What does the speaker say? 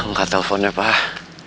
angkat teleponnya pak